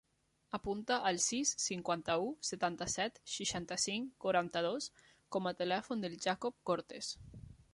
Apunta el sis, cinquanta-u, setanta-set, seixanta-cinc, quaranta-dos com a telèfon del Jacob Cortes.